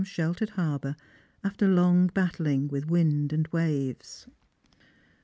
sheltered harbour after long battling with wind and waves.